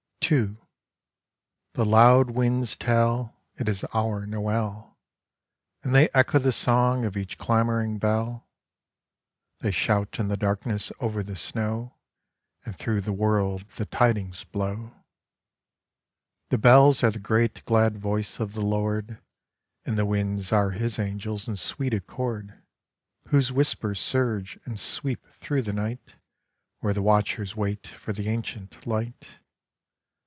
NOtLl II The loud winds tell It is our Noel, And they echo the song of each clamouring bell. They shout in the darkness over the snow, And through the world the tidings blow. The bells are the great glad voice of the Lord, And the winds are His angels in sweet accord, Whose whispers surge and sweep dirough the nigl Where the watdiers wait for the ancient Lig^t.